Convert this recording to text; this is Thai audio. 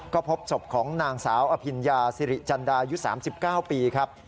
ก็พบศพของนางสาวอภิญญาสิริจันดายุ๓๙ปีครับ